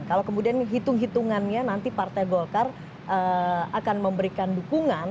kalau kemudian hitung hitungannya nanti partai golkar akan memberikan dukungan